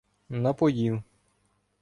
- Напоїв.